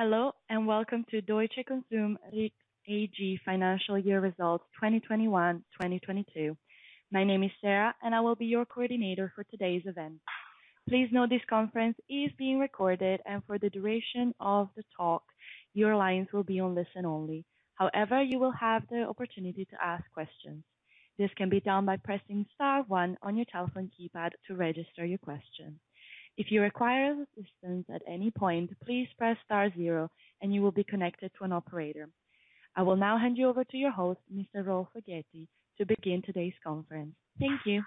Hello, and welcome to Deutsche Konsum REIT-AG Financial Year Results 2021, 2022. My name is Sarah, and I will be your coordinator for today's event. Please note this conference is being recorded, and for the duration of the talk, your lines will be on listen only. However, you will have the opportunity to ask questions. This can be done by pressing star one on your telephone keypad to register your question. If you require assistance at any point, please press star zero and you will be connected to an operator. I will now hand you over to your host, Mr. Rolf Elgeti, to begin today's conference. Thank you.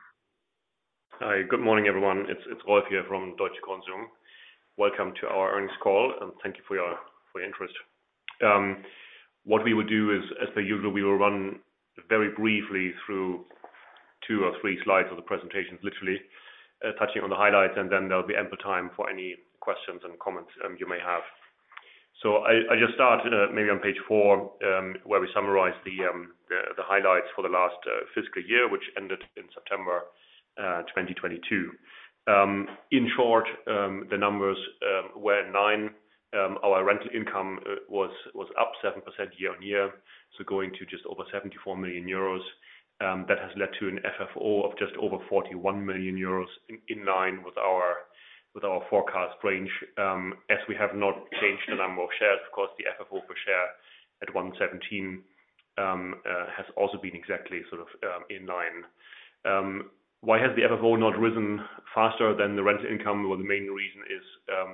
Hi. Good morning, everyone. It's Rolf here from Deutsche Konsum. Welcome to our earnings call. Thank you for your interest. What we will do is, as per usual, we will run very briefly through two or three slides of the presentation, literally, touching on the highlights. Then there'll be ample time for any questions and comments you may have. I just start maybe on page four, where we summarize the highlights for the last fiscal year, which ended in September 2022. In short, the numbers were nine. Our rental income was up 7% year-on-year, going to just over 74 million euros. That has led to an FFO of just over 41 million euros, in line with our forecast range. As we have not changed the number of shares, of course, the FFO per share at 1.17 has also been exactly sort of in line. Why has the FFO not risen faster than the rental income? Well, the main reason is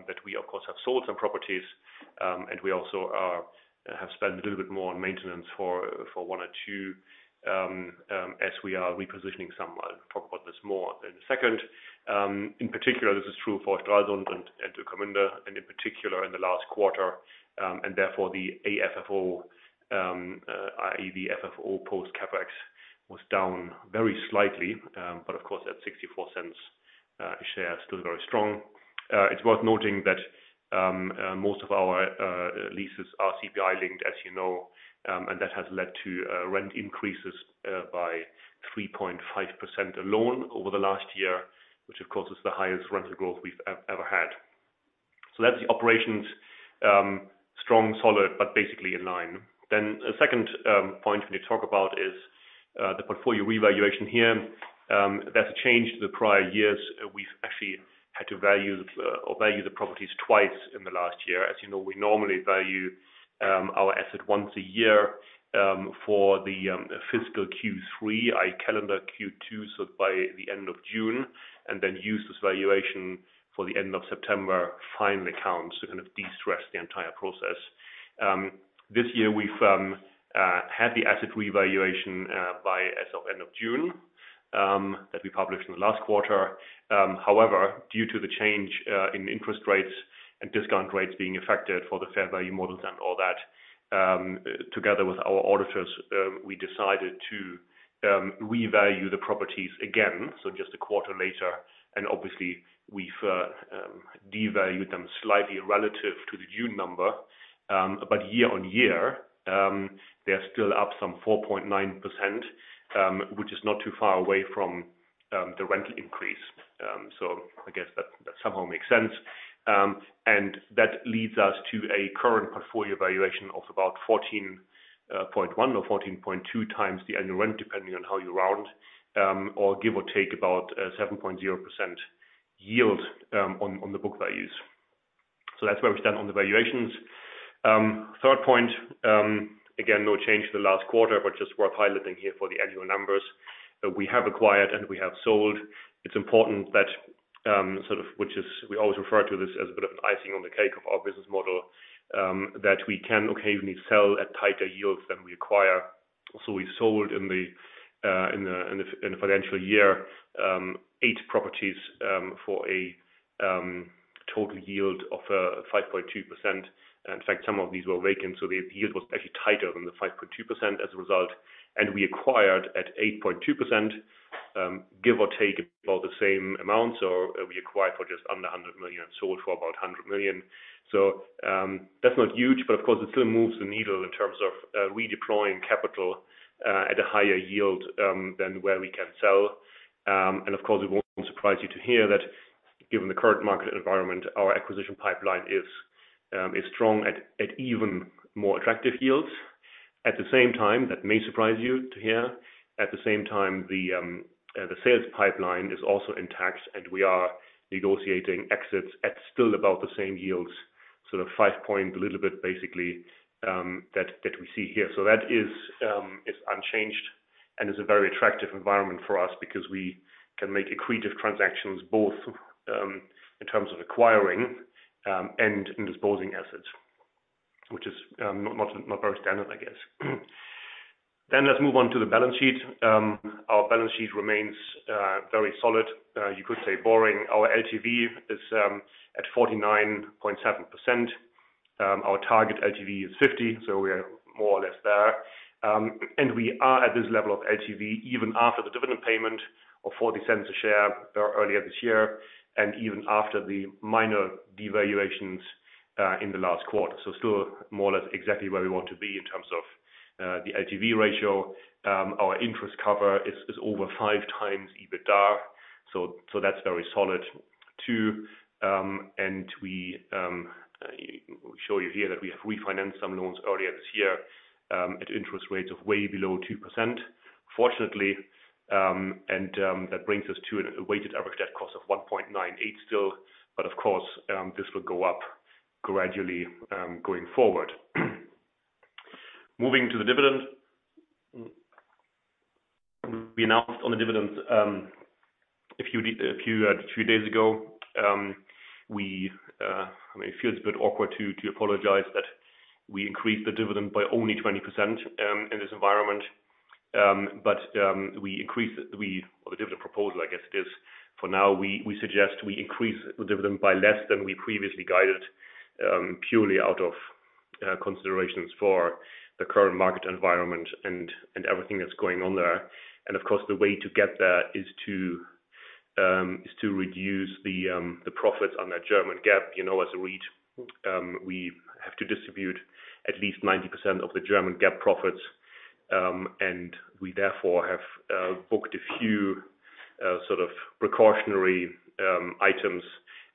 that we, of course, have sold some properties, and we also have spent a little bit more on maintenance for one or two, as we are repositioning some. I'll talk about this more in a second. In particular, this is true for Strausberg and for Kommern and in particular in the last quarter, and therefore the AFFO, i.e., the FFO post CapEx was down very slightly. But of course at 0.64 a share is still very strong. It's worth noting that most of our leases are CPI linked, as you know, and that has led to rent increases by 3.5% alone over the last year, which of course, is the highest rental growth we've ever had. That's the operations, strong, solid, but basically in line. A second point we talk about is the portfolio revaluation here. That's a change to the prior years. We've actually had to value or value the properties twice in the last year. As you know, we normally value our asset once a year for the fiscal Q3, i.e., calendar Q2, so by the end of June, and then use this valuation for the end of September final accounts to kind of de-stress the entire process. This year we've had the asset revaluation by as of end of June that we published in the last quarter. However, due to the change in interest rates and discount rates being affected for the fair value models and all that, together with our auditors, we decided to revalue the properties again, so just a quarter later. Obviously we've devalued them slightly relative to the June number. Year on year, they're still up some 4.9%, which is not too far away from the rental increase. I guess that somehow makes sense. That leads us to a current portfolio valuation of about 14.1 or 14.2x the annual rent, depending on how you round, or give or take about 7.0% yield on the book values. That's where we stand on the valuations. Third point, again, no change to the last quarter, just worth highlighting here for the annual numbers. We have acquired and we have sold. It's important that, sort of which is we always refer to this as a bit of an icing on the cake of our business model, that we can occasionally sell at tighter yields than we acquire. We sold in the in the financial year, eight properties, for a total yield of 5.2%. In fact, some of these were vacant, so the yield was actually tighter than the 5.2% as a result. We acquired at 8.2%, give or take about the same amount. We acquired for just under 100 million and sold for about 100 million. That's not huge, but of course, it still moves the needle in terms of redeploying capital at a higher yield than where we can sell. Of course, it won't surprise you to hear that given the current market environment, our acquisition pipeline is strong at even more attractive yields. At the same time, that may surprise you to hear. At the same time, the sales pipeline is also intact and we are negotiating exits at still about the same yields, sort of five point a little bit basically, that we see here. That is unchanged and is a very attractive environment for us because we can make accretive transactions both in terms of acquiring and in disposing assets, which is not very standard, I guess. Let's move on to the balance sheet. Our balance sheet remains very solid, you could say boring. Our LTV is at 49.7%. Our target LTV is 50, so we are more or less there. We are at this level of LTV even after the dividend payment of 0.40 a share earlier this year, and even after the minor devaluations in the last quarter. Still more or less exactly where we want to be in terms of the LTV ratio, our interest cover is over 5x EBITDA, so that's very solid too. We show you here that we have refinanced some loans earlier this year at interest rates of way below 2%, fortunately. That brings us to a weighted average debt cost of 1.98 still. Of course, this will go up gradually going forward. Moving to the dividend. We announced on the dividend a few days ago. We, I mean, it feels a bit awkward to apologize that we increased the dividend by only 20% in this environment. Well, the dividend proposal, I guess it is for now, we suggest we increase the dividend by less than we previously guided purely out of considerations for the current market environment and everything that's going on there. Of course, the way to get there is to reduce the profits on that German GAAP. You know, as a REIT, we have to distribute at least 90% of the German GAAP profits. We therefore have booked a few sort of precautionary items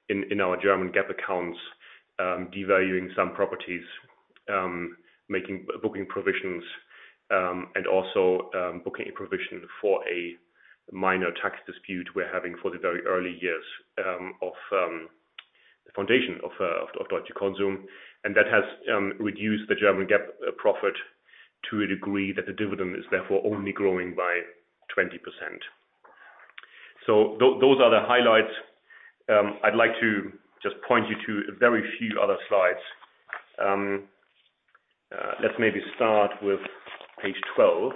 in our German GAAP accounts, devaluing some properties, making booking provisions, and also booking a provision for a minor tax dispute we're having for the very early years of the foundation of Deutsche Konsum. That has reduced the German GAAP profit to a degree that the dividend is therefore only growing by 20%. Those are the highlights. I'd like to just point you to a very few other slides. Let's maybe start with page 12.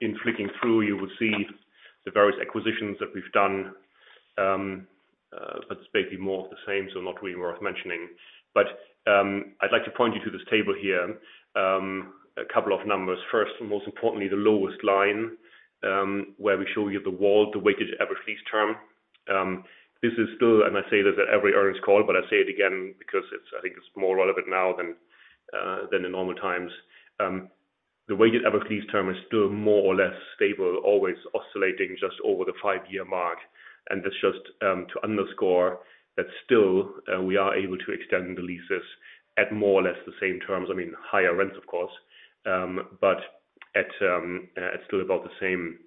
In flicking through, you will see the various acquisitions that we've done, but it's basically more of the same, so not really worth mentioning. I'd like to point you to this table here, a couple of numbers. First, and most importantly, the lowest line, where we show you the WALT, the weighted average lease term. This is still, and I say this at every earnings call, but I say it again because it's, I think it's more relevant now than than in normal times. The weighted average lease term is still more or less stable, always oscillating just over the five-year mark. That's just to underscore that still, we are able to extend the leases at more or less the same terms. I mean, higher rents, of course, but it's still about the same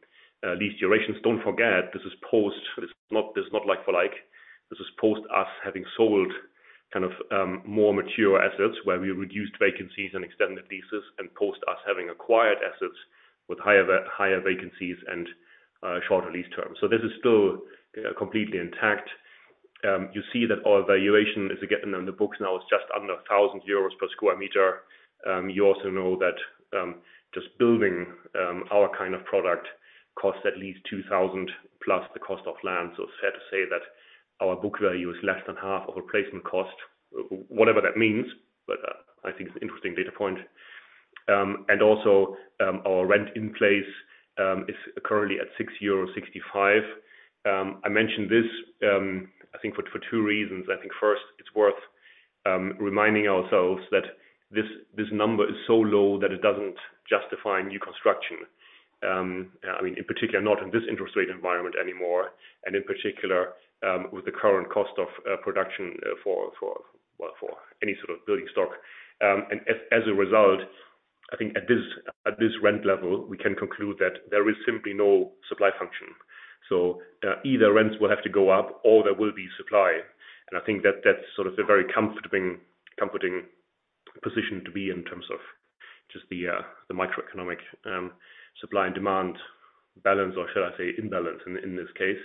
lease durations. Don't forget, this is post. This is not, this is not like for like. This is post us having sold kind of more mature assets where we reduced vacancies and extended leases and post us having acquired assets with higher vacancies and shorter lease terms. This is still completely intact. You see that our valuation, as we get it on the books now, is just under 1,000 euros per square meter. You also know that just building our kind of product costs at least 2,000 plus the cost of land. It's fair to say that our book value is less than half of replacement cost, whatever that means. I think it's an interesting data point. Our rent in place is currently at €6.65. I mention this, I think for two reasons. I think first it's worth reminding ourselves that this number is so low that it doesn't justify new construction. I mean, in particular, not in this interest rate environment anymore, and in particular, with the current cost of production for any sort of building stock. As a result, I think at this rent level, we can conclude that there is simply no supply function. Either rents will have to go up or there will be supply. I think that that's sort of a very comforting position to be in terms of just the microeconomic supply and demand balance or should I say imbalance in this case.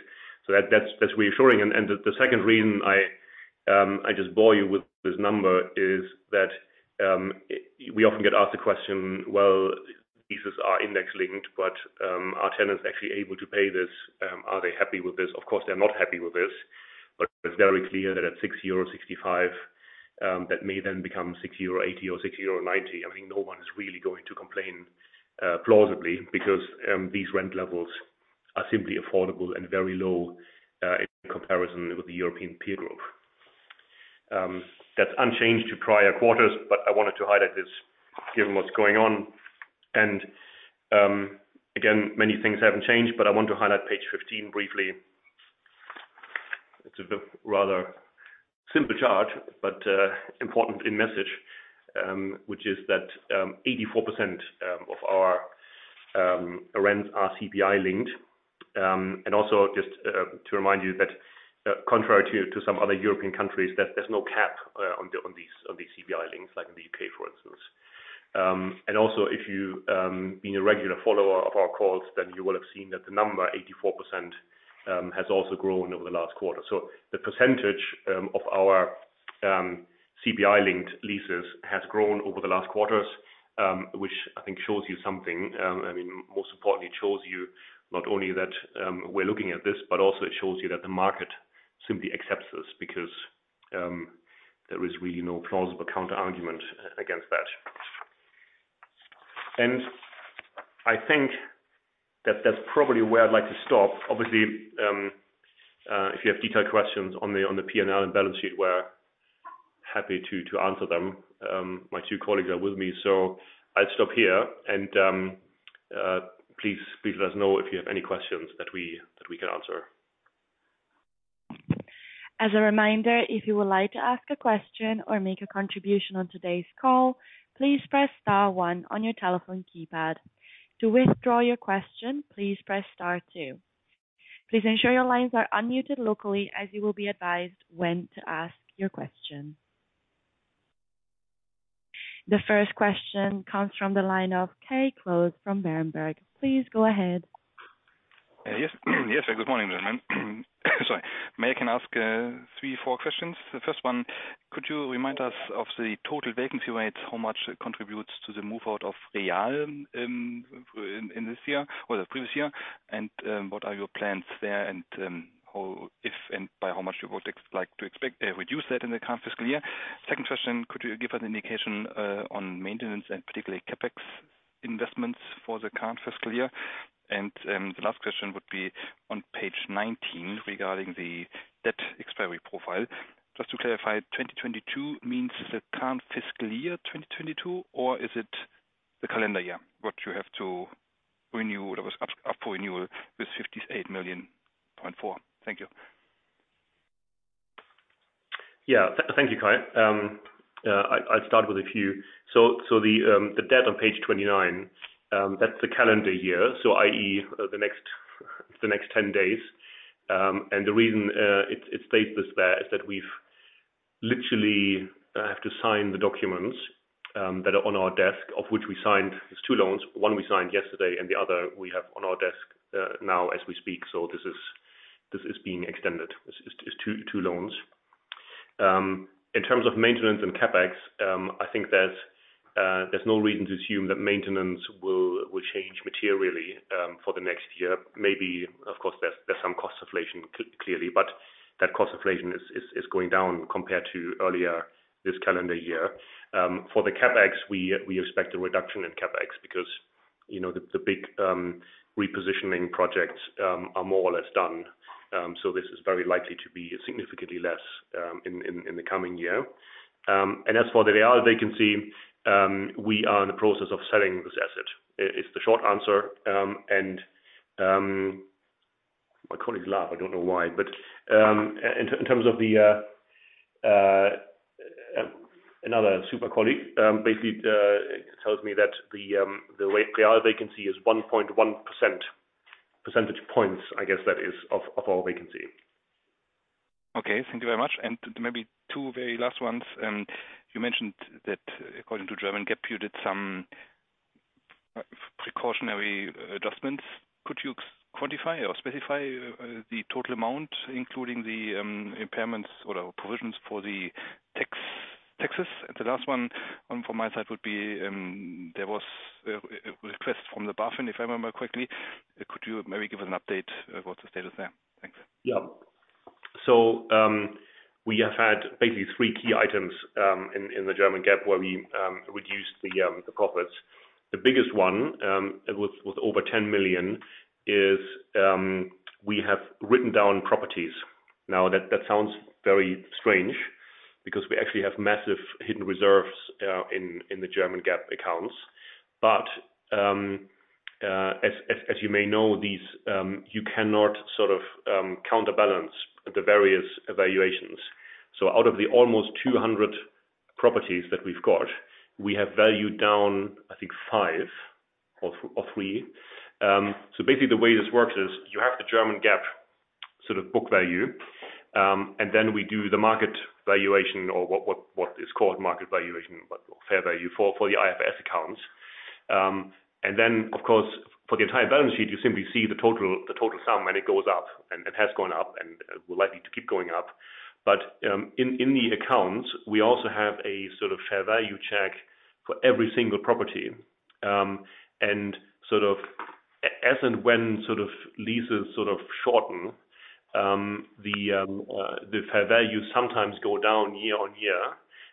That's reassuring. The second reason I just bore you with this number is that we often get asked the question, well, leases are index linked, are tenants actually able to pay this? Are they happy with this? Of course, they're not happy with this, but it's very clear that at €6.65, that may then become €6.80 or €6.90. I mean, no one is really going to complain plausibly because these rent levels are simply affordable and very low in comparison with the European peer group. That's unchanged to prior quarters. I wanted to highlight this given what's going on. Again, many things haven't changed. I want to highlight page 15 briefly. It's a bit rather simple chart, but important in message, which is that 84% of our rents are CPI linked. Also just to remind you that contrary to some other European countries, there's no cap on these CPI links, like in the UK, for instance. If you been a regular follower of our calls, then you will have seen that the number 84% has also grown over the last quarter. The percentage of our CPI linked leases has grown over the last quarters, which I think shows you something. I mean, most importantly, it shows you not only that we're looking at this, but also it shows you that the market simply accepts this because there is really no plausible counterargument against that. I think that that's probably where I'd like to stop. Obviously, if you have detailed questions on the P&L and balance sheet, we're happy to answer them. My two colleagues are with me, I'll stop here and let us know if you have any questions that we can answer. As a reminder, if you would like to ask a question or make a contribution on today's call, please press star one on your telephone keypad. To withdraw your question, please press star two. Please ensure your lines are unmuted locally as you will be advised when to ask your question. The first question comes from the line of Kai Klose from Berenberg. Please go ahead. Yes. Yes, good morning, gentlemen. Sorry. May I can ask three, four questions? The first one, could you remind us of the total vacancy rates, how much contributes to the move out of Real in this year or the previous year? What are your plans there and how if and by how much you would like to expect reduce that in the current fiscal year? Second question, could you give an indication on maintenance and particularly CapEx investments for the current fiscal year? The last question would be on page 19 regarding the debt expiry profile. Just to clarify, 2022 means the current fiscal year, 2022, or is it the calendar year, what you have to renew that was up for renewal with 58.4 million? Thank you. Yeah. Thank you, Kai. I'll start with a few. The debt on page 29, that's the calendar year. i.e., the next 10 days. The reason it states this there is that we've literally have to sign the documents that are on our desk, of which we signed. There's 2 loans, one we signed yesterday, and the other we have on our desk now as we speak. This is being extended. It's two loans. In terms of maintenance and CapEx, I think there's no reason to assume that maintenance will change materially for the next year. Maybe of course, there's some cost inflation clearly, but that cost inflation is going down compared to earlier this calendar year. For the CapEx, we expect a reduction in CapEx because, you know, the big repositioning projects are more or less done. This is very likely to be significantly less in the coming year. As for the Real vacancy, we are in the process of selling this asset. It's the short answer. My colleagues laugh. I don't know why, but in terms of another super colleague basically tells me that the Real vacancy is 1.1%. Percentage points, I guess that is of our vacancy. Okay. Thank you very much. Maybe two very last ones. You mentioned that according to German GAAP, you did some precautionary adjustments. Could you quantify or specify the total amount, including the impairments or provisions for the taxes? The last one from my side would be, there was a request from the BaFin, if I remember correctly. Could you maybe give an update what the status there? Thanks. Yeah. We have had basically three key items in the German GAAP where we reduced the profits. The biggest one, with over 10 million, is we have written down properties. That sounds very strange because we actually have massive hidden reserves in the German GAAP accounts. As you may know these, you cannot sort of counterbalance the various evaluations. Out of the almost 200 properties that we've got, we have valued down, I think five or three. Basically the way this works is you have the German GAAP sort of book value, and then we do the market valuation or what is called market valuation, but fair value for the IFRS accounts. Then of course, for the entire balance sheet, you simply see the total, the total sum, and it goes up and it has gone up and will likely to keep going up. In the accounts, we also have a sort of fair value check for every single property. And sort of as and when sort of leases sort of shorten, the fair value sometimes go down year on year.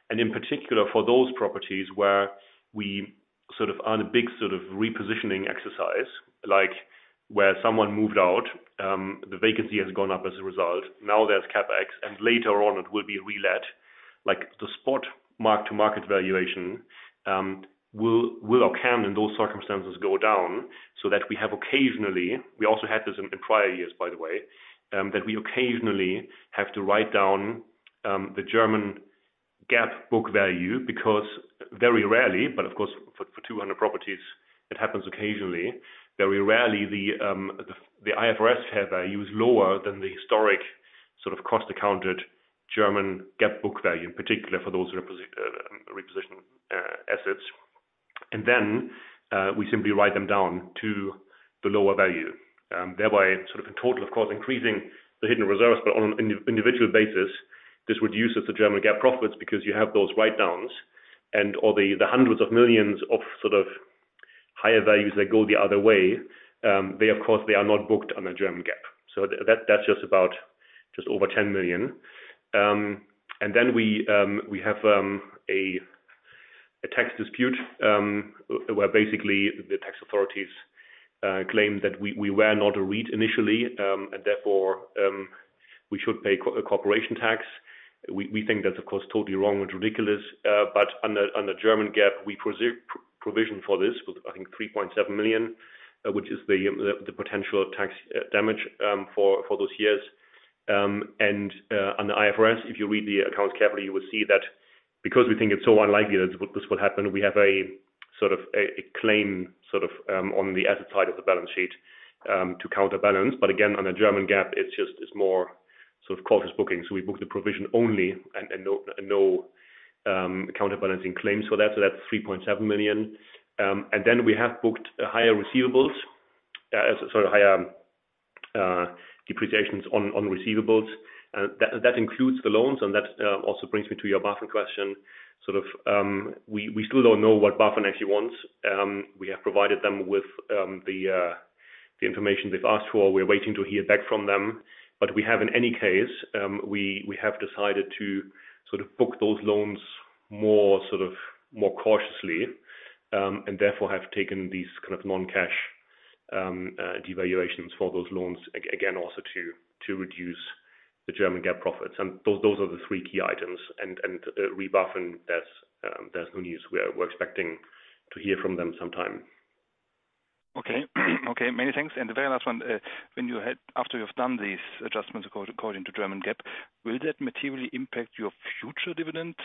In particular for those properties where we sort of earn a big sort of repositioning exercise, like where someone moved out, the vacancy has gone up as a result. There's CapEx, later on it will be relet, like the spot mark-to-market valuation, will or can, in those circumstances, go down so that we have occasionally, we also had this in prior years, by the way, that we occasionally have to write down the German GAAP book value because very rarely, but of course for 200 properties it happens occasionally. Very rarely the IFRS fair value is lower than the historic sort of cost accounted German GAAP book value, in particular for those reposition assets. We simply write them down to the lower value, thereby sort of in total, of course, increasing the hidden reserves. On an individual basis, this reduces the German GAAP profits because you have those write downs and all the hundreds of millions of sort of higher values that go the other way. They of course, they are not booked on a German GAAP. Just over 10 million. Then we have a tax dispute, where basically the tax authorities claim that we were not a REIT initially, and therefore, we should pay corporation tax. We, we think that's of course, totally wrong and ridiculous. Under German GAAP, we provision for this with I think 3.7 million, which is the potential tax damage for those years. On the IFRS, if you read the accounts carefully, you will see that because we think it's so unlikely that this will happen, we have a claim on the asset side of the balance sheet to counterbalance. Again, on the German GAAP, it's more cautious booking. We book the provision only and no counterbalancing claims for that. That's 3.7 million. We have booked higher receivables as higher depreciations on receivables. That includes the loans, and that also brings me to your BaFin question, we still don't know what BaFin actually wants. We have provided them with the information they've asked for. We're waiting to hear back from them. We have in any case, we have decided to sort of book those loans more sort of, more cautiously, and therefore have taken these kind of non-cash devaluations for those loans. Again, also to reduce the German GAAP profits. Those are the three key items. Re BaFin, there's no news. We're expecting to hear from them sometime. Okay. Okay, many thanks. The very last one, After you have done these adjustments according to German GAAP, will that materially impact your future dividend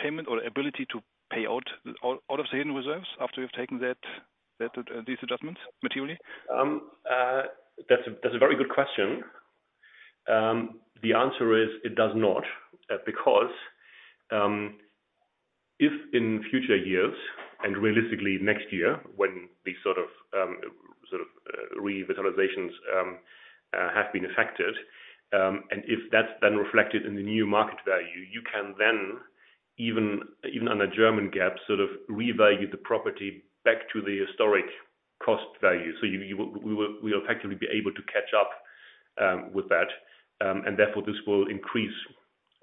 payment or ability to pay out all of the hidden reserves after you've taken that these adjustments materially? That's a very good question. The answer is it does not because if in future years and realistically next year, when these sort of sort of revitalizations have been affected, and if that's then reflected in the new market value, you can then even under German GAAP, sort of revalue the property back to the historic cost value. We'll effectively be able to catch up with that. Therefore this will increase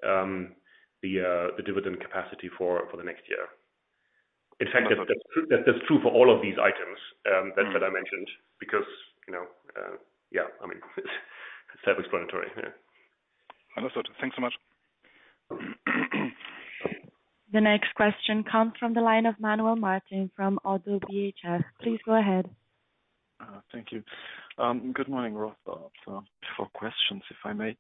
the dividend capacity for the next year. In fact, that's true for all of these items that I mentioned because, you know, I mean it's self-explanatory. Understood. Thanks so much. The next question comes from the line of Manuel Martin from Oddo BHF. Please go ahead. Thank you. Good morning, Rolf. Four questions if I may.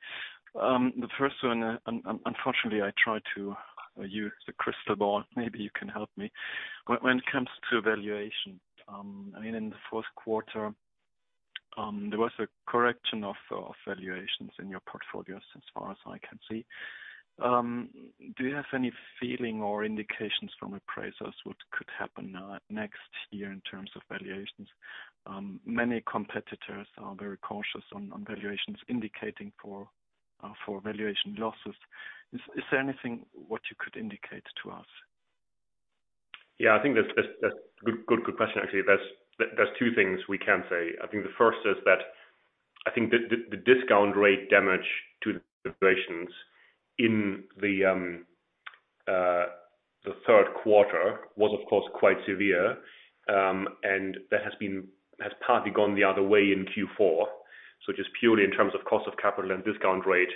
The first one, unfortunately, I tried to use the crystal ball. Maybe you can help me. When it comes to valuation, I mean, in the fourth quarter, there was a correction of valuations in your portfolios as far as I can see. Do you have any feeling or indications from appraisers what could happen next year in terms of valuations? Many competitors are very cautious on valuations indicating for valuation losses. Is there anything what you could indicate to us? Yeah, I think that's good question. Actually, there's two things we can say. I think the first is that I think the discount rate damage to the valuations in the third quarter was of course quite severe. That has partly gone the other way in Q4. Just purely in terms of cost of capital and discount rate,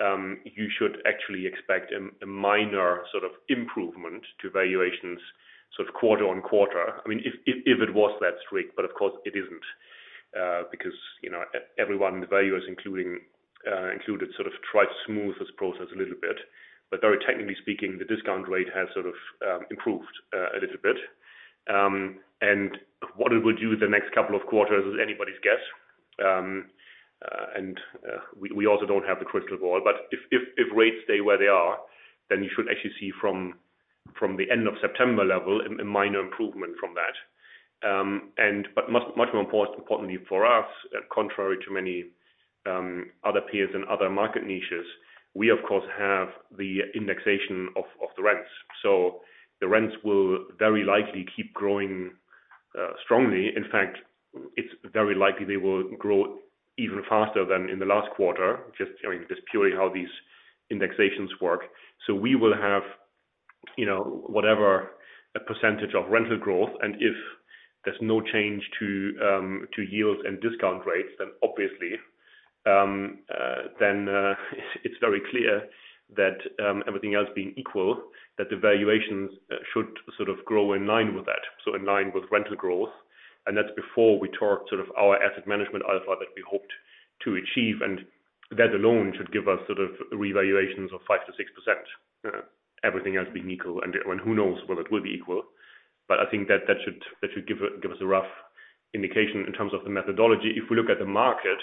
you should actually expect a minor sort of improvement to valuations sort of quarter-on-quarter. I mean, if it was that strict, but of course it isn't, because, you know, everyone, the valuers including included sort of tried to smooth this process a little bit, but very technically speaking, the discount rate has sort of improved a little bit. What it will do the next couple of quarters is anybody's guess. We also don't have the crystal ball. If rates stay where they are, then you should actually see from the end of September level a minor improvement from that. Much more importantly for us, contrary to many other peers in other market niches, we of course have the indexation of the rents. The rents will very likely keep growing strongly. In fact, it's very likely they will grow even faster than in the last quarter, just, I mean, just purely how these indexations work. We will have, you know, whatever a percentage of rental growth and if there's no change to yields and discount rates, then obviously, then it's very clear that everything else being equal, that the valuations should sort of grow in line with that. In line with rental growth, and that's before we talk sort of our asset management alpha that we hoped to achieve, and that alone should give us sort of revaluations of 5%-6%, everything else being equal. Who knows whether it will be equal. I think that that should give us a rough indication in terms of the methodology. If we look at the market,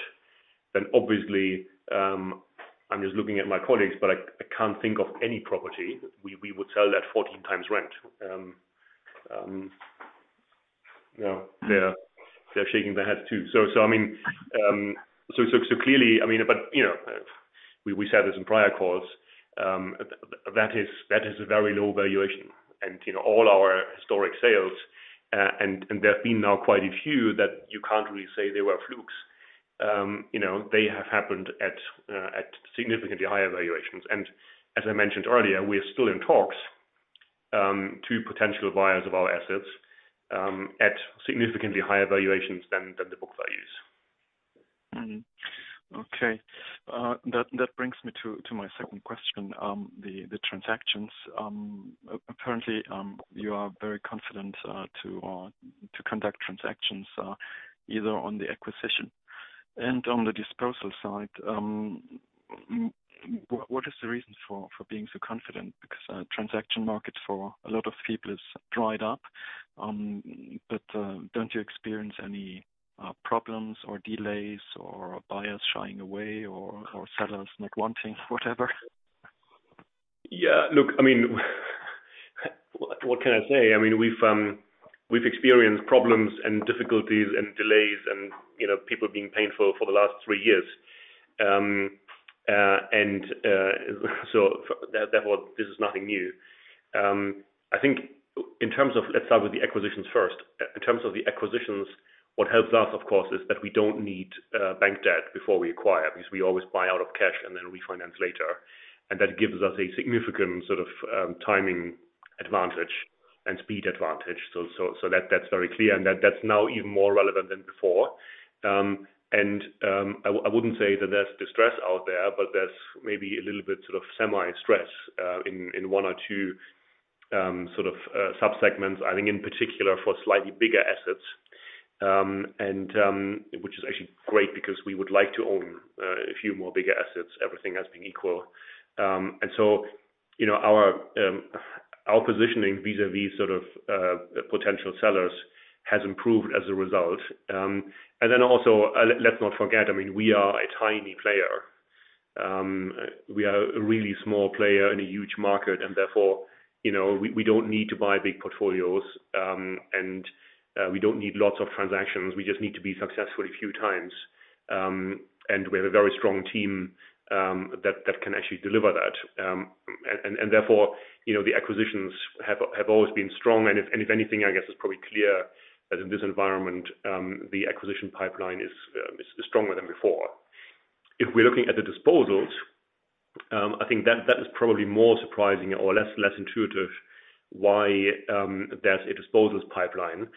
then obviously, I'm just looking at my colleagues, but I can't think of any property we would sell at 14x rent. Yeah, they're shaking their heads too. I mean, so clearly, I mean, but, you know, we said this in prior calls. That is a very low valuation and, you know, all our historic sales, and there have been now quite a few that you can't really say they were flukes. You know, they have happened at significantly higher valuations. As I mentioned earlier, we are still in talks to potential buyers of our assets at significantly higher valuations than the book values. Mm-hmm. Okay. That brings me to my second question. The transactions. Apparently, you are very confident to conduct transactions, either on the acquisition and on the disposal side. What is the reason for being so confident? Because transaction market for a lot of people is dried up. Don't you experience any problems or delays or buyers shying away, or sellers not wanting whatever? Yeah. Look, I mean, what can I say? I mean, we've experienced problems and difficulties and delays and, you know, people being painful for the last three years. Therefore, this is nothing new. I think in terms of. Let's start with the acquisitions first. In terms of the acquisitions, what helps us, of course, is that we don't need bank debt before we acquire, because we always buy out of cash and then refinance later. That gives us a significant sort of timing advantage and speed advantage. That, that's very clear and that's now even more relevant than before. I wouldn't say that there's distress out there, but there's maybe a little bit sort of semi stress in one or two sort of sub-segments, I think in particular for slightly bigger assets. Which is actually great because we would like to own a few more bigger assets, everything else being equal. You know, our positioning vis-a-vis sort of potential sellers has improved as a result. Also, let's not forget, I mean, we are a tiny player. We are a really small player in a huge market and therefore, you know, we don't need to buy big portfolios, and we don't need lots of transactions. We just need to be successful a few times. We have a very strong team that can actually deliver that. Therefore, you know, the acquisitions have always been strong. If, and if anything, I guess it's probably clear that in this environment, the acquisition pipeline is stronger than before. If we're looking at the disposals, I think that is probably more surprising or less intuitive why there's a disposals pipeline.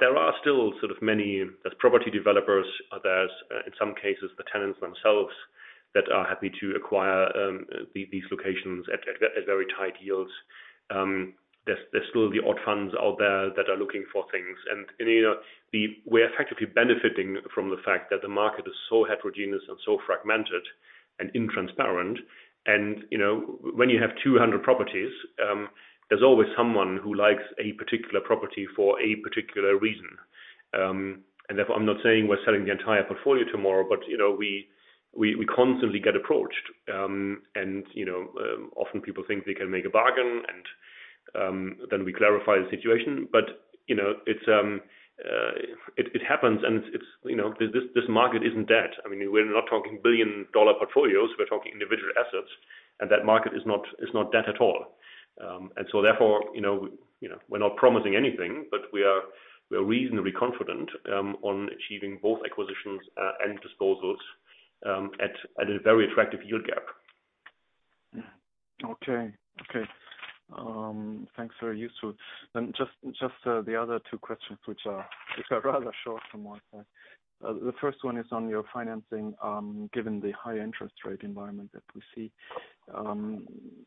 There are still sort of many, there's property developers, there's, in some cases, the tenants themselves that are happy to acquire these locations at very tight yields. There's still the odd funds out there that are looking for things. You know, we're effectively benefiting from the fact that the market is so heterogeneous and so fragmented and intransparent. You know, when you have 200 properties, there's always someone who likes a particular property for a particular reason. Therefore, I'm not saying we're selling the entire portfolio tomorrow, but, you know, we constantly get approached. You know, often people think they can make a bargain and then we clarify the situation. You know, it happens and it's, you know, this market isn't dead. I mean, we're not talking billion-dollar portfolios, we're talking individual assets, and that market is not dead at all. Therefore, you know, we're not promising anything, but we are reasonably confident on achieving both acquisitions and disposals at a very attractive yield gap. Okay. Okay. Thanks. Very useful. Just the other two questions which are rather short from my side. The first one is on your financing. Given the high interest rate environment that we see,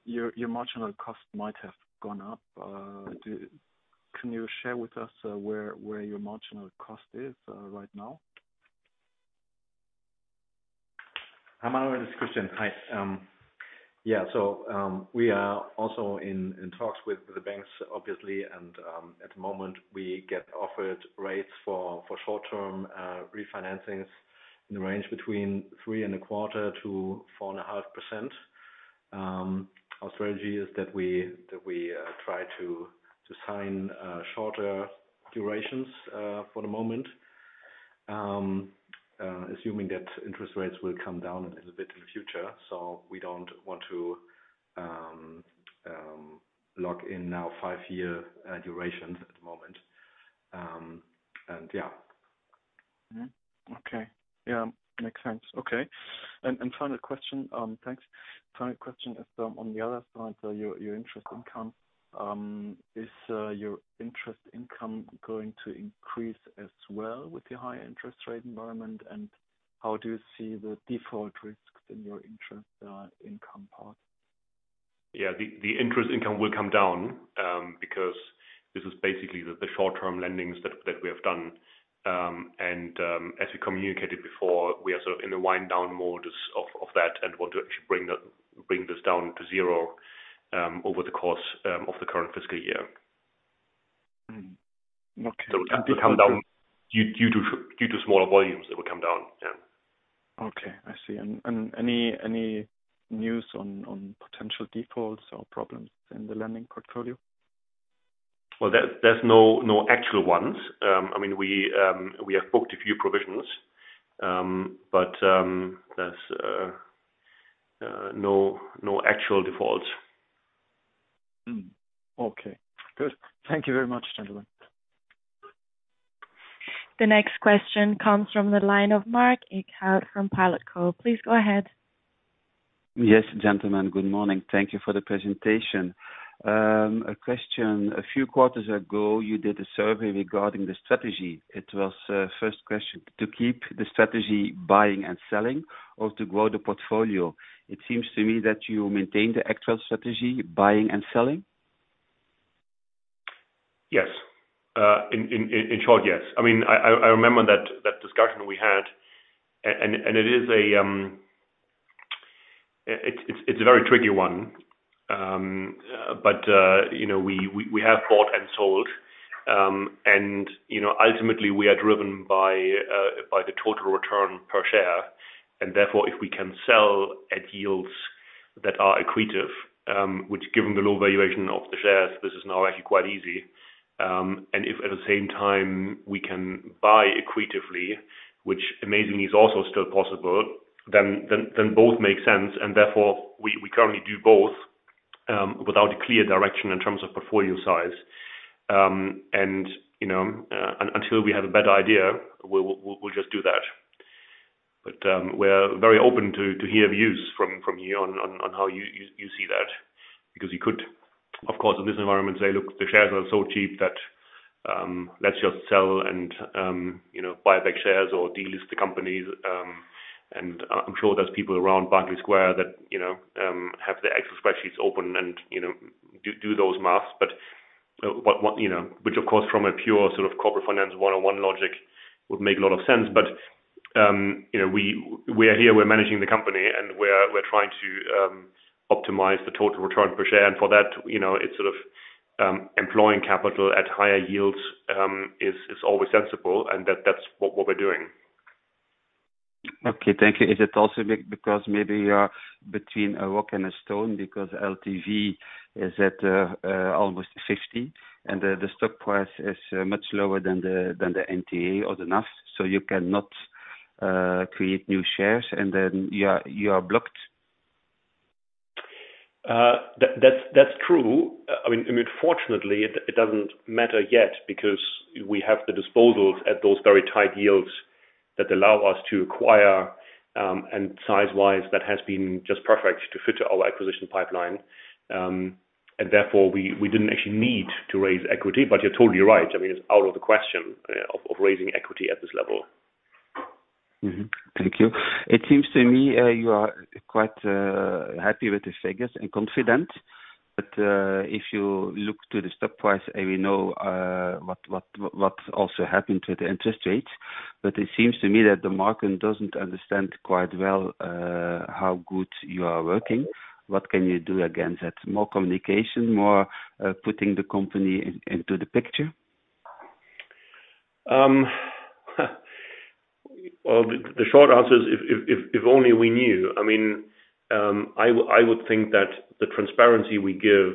your marginal cost might have gone up. Can you share with us where your marginal cost is right now? Manuel, it is Christian. Hi. Yeah. We are also in talks with the banks, obviously. At the moment we get offered rates for short-term refinancings in the range between three and a quarter % to four and a half %. Our strategy is that we, that we try to sign shorter durations for the moment, assuming that interest rates will come down a little bit in the future. We don't want to lock in now five-year durations at the moment. Yeah. Okay. Yeah. Makes sense. Okay. Final question. Thanks. Final question is on the other side, your interest income. Is your interest income going to increase as well with the high interest rate environment? How do you see the default risks in your interest income part? Yeah. The interest income will come down because this is basically the short-term lendings that we have done. As we communicated before, we are sort of in the wind down mode of that and want to actually bring this down to zero over the course of the current fiscal year. Mm-hmm. Okay. It will come down due to smaller volumes, it will come down. Yeah. Okay. I see. Any news on potential defaults or problems in the lending portfolio? Well, there's no actual ones. I mean, we have booked a few provisions, but there's no actual defaults. Okay. Good. Thank you very much, gentlemen. The next question comes from the line of Marc Echard from Pilet & Co. Please go ahead. Yes, gentlemen. Good morning. Thank you for the presentation. A question, a few quarters ago, you did a survey regarding the strategy. It was first question, to keep the strategy buying and selling or to grow the portfolio. It seems to me that you maintain the actual strategy, buying and selling. Yes. In short, yes. I mean, I remember that discussion we had, and it's a very tricky one. But, you know, we have bought and sold, and, you know, ultimately we are driven by the total return per share, and therefore, if we can sell at yields that are accretive, which given the low valuation of the shares, this is now actually quite easy. And if at the same time we can buy accretively, which amazingly is also still possible, then both make sense and therefore we currently do both, without a clear direction in terms of portfolio size. And, you know, until we have a better idea, we'll just do that. We're very open to hear views from you on how you see that, because you could, of course, in this environment say, look, the shares are so cheap that let's just sell and buy back shares or delist the companies. I'm sure there's people around Battery Square that have their Excel spreadsheets open and do those math. What, which of course from a pure sort of corporate finance one-on-one logic would make a lot of sense. We are here, we're managing the company, and we're trying to optimize the total return per share. For that, it's sort of employing capital at higher yields is always sensible and that's what we're doing. Okay. Thank you. Is it also because maybe you are between a rock and a stone because LTV is at almost 50% and the stock price is much lower than the NTA or the NAV, so you cannot create new shares and then you are blocked. That's true. I mean, fortunately, it doesn't matter yet because we have the disposals at those very tight yields that allow us to acquire, size-wise that has been just perfect to fit our acquisition pipeline. Therefore we didn't actually need to raise equity. You're totally right, I mean, it's out of the question, of raising equity at this level. Thank you. It seems to me, you are quite happy with the figures and confident. If you look to the stock price and we know what's also happened to the interest rates, it seems to me that the market doesn't understand quite well, how good you are working. What can you do against that? More communication, more putting the company into the picture? Well, the short answer is if only we knew. I mean, I would think that the transparency we give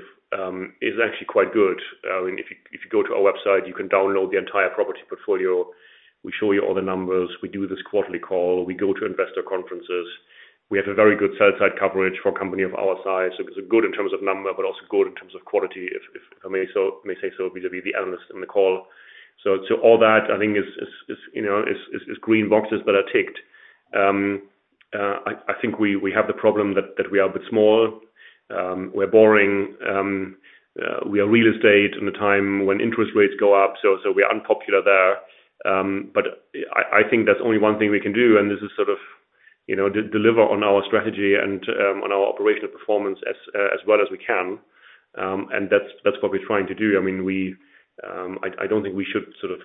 is actually quite good. I mean, if you go to our website, you can download the entire property portfolio. We show you all the numbers. We do this quarterly call. We go to investor conferences. We have a very good sell side coverage for a company of our size. It is good in terms of number, but also good in terms of quality if, I mean, so may say so vis-a-vis the analyst in the call. All that I think is, you know, is green boxes that are ticked. I think we have the problem that we are a bit small. We're boring. We are real estate in a time when interest rates go up, so we are unpopular there. I think there's only one thing we can do, and this is sort of, you know, de-deliver on our strategy and on our operational performance as well as we can. That's what we're trying to do. I mean, we, I don't think we should sort of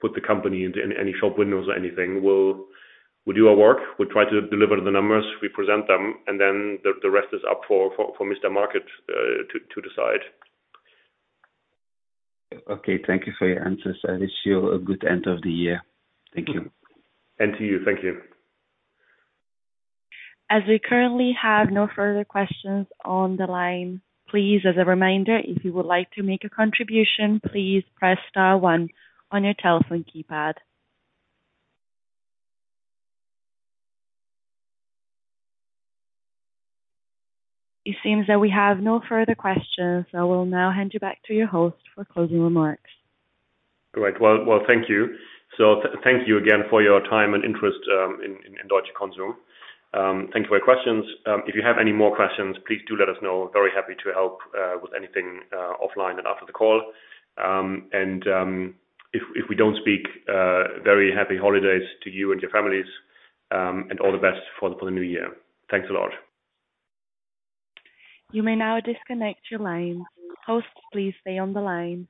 put the company into any shop windows or anything. We'll, we'll do our work. We'll try to deliver the numbers, we present them, and then the rest is up for Mr. Market to decide. Okay. Thank you for your answers. I wish you a good end of the year. Thank you. To you. Thank you. As we currently have no further questions on the line, please, as a reminder, if you would like to make a contribution, please press star 1 on your telephone keypad. It seems that we have no further questions, so I will now hand you back to your host for closing remarks. Great. Well, thank you. Thank you again for your time and interest in Deutsche Konsum. Thank you for your questions. If you have any more questions, please do let us know. Very happy to help with anything offline and after the call. If we don't speak, very happy holidays to you and your families and all the best for the new year. Thanks a lot. You may now disconnect your line. Hosts, please stay on the line.